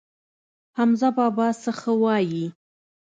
حمزه بابا څه ښه وايي.